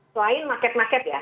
selain market market ya